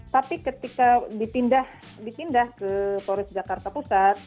tapi ketika dipindah ke polres jakarta pusat